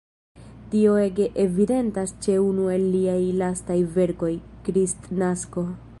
Tio ege evidentas ĉe unu el liaj lastaj verkoj, "Kristnasko".